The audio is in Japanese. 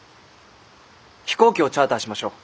飛行機をチャーターしましょう。